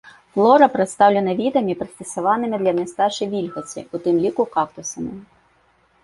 Флора прадстаўлена відамі, прыстасаванымі да нястачы вільгаці, у тым ліку кактусамі.